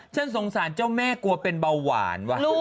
ฉันสงสารเจ้าแม่กลัวเป็นเบาหวานว่ะ